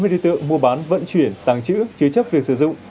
bốn mươi đi tượng mua bán vận chuyển tàng trữ chứa chấp việc sử dụng